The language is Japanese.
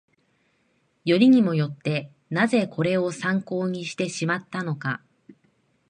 よりにもよって、なぜこれを参考にしてしまったのか